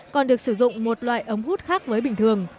còn được sử dụng một loại ống hút khác với bình thường